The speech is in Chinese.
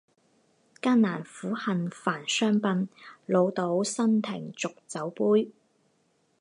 艰难苦恨繁霜鬓，潦倒新停浊酒杯